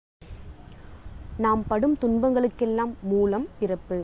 நாம் படும் துன்பங்களுக்கெல்லாம் மூலம் பிறப்பு.